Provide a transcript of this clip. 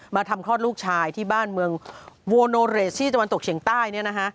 มาทำคลอดลูกชายที่บ้านเมืองที่จังหวันตกเฉียงใต้เนี่ยนะฮะ